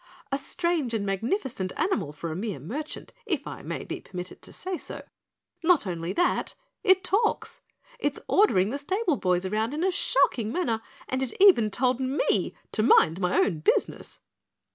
"A strange and magnificent animal for a mere merchant, if I may be permitted to say so. Not only that it TALKS. It's ordering the stable boys around in a shocking manner and it even told ME to mind my own business."